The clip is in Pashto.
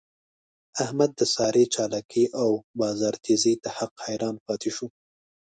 احمد د سارې چالاکی او بازار تېزۍ ته حق حیران پاتې شو.